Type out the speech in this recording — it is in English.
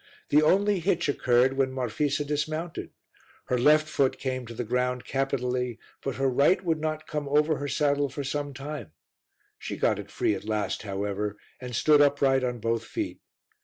The only hitch occurred when Marfisa dismounted; her left foot came to the ground capitally, but her right would not come over her saddle for some time; she got it free at last, however, and stood upright on both feet.